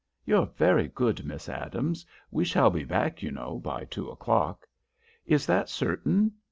"You're very good, Miss Adams. We shall be back, you know, by two o'clock." "Is that certain?"